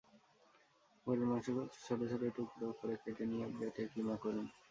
গরুর মাংস ছোট ছোট টুকরো করে কেটে নিয়ে বেটে কিমা করুন।